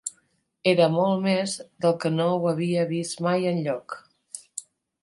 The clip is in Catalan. Era molt més del que no ho havia vist mai enlloc